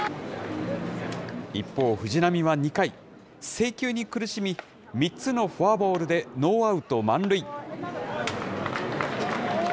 一方、藤浪は２回、制球に苦しみ、３つのフォアボールでノーアウト満塁。